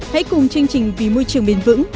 hãy cùng chương trình vì môi trường bền vững